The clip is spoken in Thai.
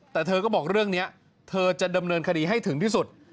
แต่เธอก็บอกเรื่องนี้เธอจะดำเนินคดีให้ถึงที่สุด